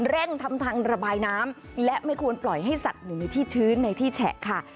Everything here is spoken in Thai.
เร่งทำทางระบายน้ำและไม่ควรปล่อยให้สัตว์หนีที่ชื้นในที่แฉะค่ะ